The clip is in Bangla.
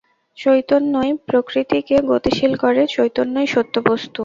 চৈতন্যই প্রকৃতিকে গতিশীল করে, চৈতন্যই সত্য বস্তু।